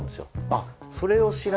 あっ。